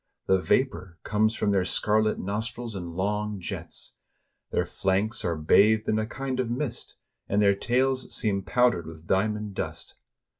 The vapor comes from their scarlet nos trils in long jets; their flanks are bathed in a kind of mist, and their tails seem powdered with diamond dust.